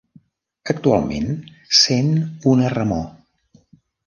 Actualment sent una remor.